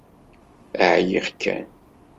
Ԑyiɣ kan.